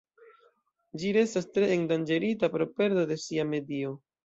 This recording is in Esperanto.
Ĝi restas tre endanĝerita pro perdo de sia medio.